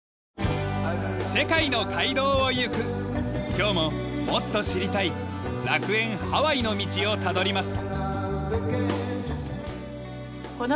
今日ももっと知りたい楽園ハワイの道をたどります。